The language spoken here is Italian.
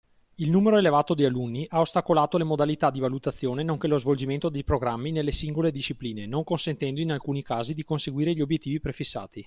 Il numero elevato di alunni ha ostacolato le modalità di valutazione nonché lo svolgimento dei programmi nelle singole discipline, non consentendo in alcuni casi di conseguire gli obiettivi prefissati.